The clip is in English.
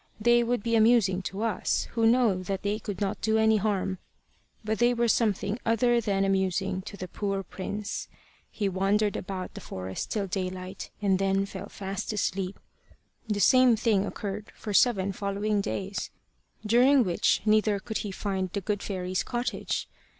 They would be amusing to us, who know that they could not do any harm, but they were something other than amusing to the poor prince. He wandered about the forest till daylight, and then fell fast asleep. The same thing occurred for seven following days, during which neither could he find the good fairy's cottage.